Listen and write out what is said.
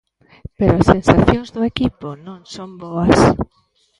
Pero as sensacións do equipo non son boas.